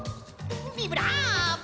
ビブラーボ！